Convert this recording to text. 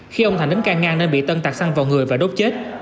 khi ông thành đến càng ngăn nên bị tân tạc xăng vào người và đốt chết